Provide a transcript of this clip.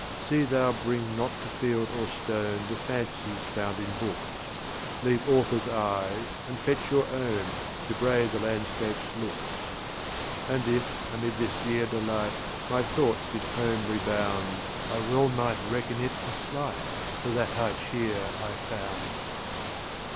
See thou bring not to field or stone The fancies found in books; Leave authors' eyes, and fetch your own, To brave the landscape's looks. And if, amid this dear delight, My thoughts did home rebound, I well might reckon it a slight To the high cheer I found.